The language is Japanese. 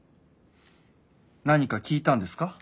何か聞いたんですか？